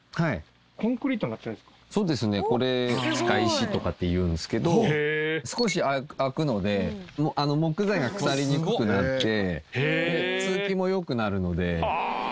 これ束石とかっていうんですけど少し空くので木材が腐りにくくなって通気も良くなるので。